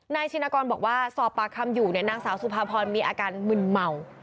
ชินกรบอกว่าสอบปากคำอยู่เนี่ยนางสาวสุภาพรมีอาการมึนเมา